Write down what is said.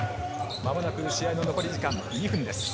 間もなく試合の残り時間は２分です。